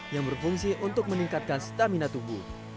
yang berfungsi untuk meningkatkan stamina tubuh